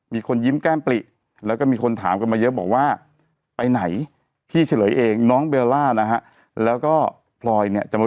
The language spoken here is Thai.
มีคนยิ้มแก้มปลิแล้วก็มีคนถามกันมาเยอะบอกว่าไปไหนพี่เฉลยเองน้องเบลล่านะฮะ